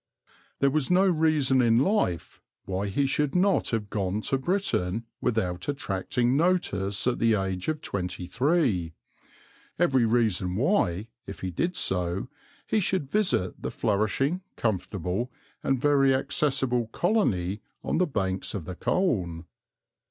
There was no reason in life why he should not have gone to Britain without attracting notice at the age of twenty three, every reason why, if he did so, he should visit the flourishing, comfortable, and very accessible colony on the banks of the Colne.